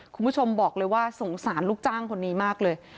คุณผู้ชมบอกเลยว่าสงสารลูกจ้างคนนี้มากเลย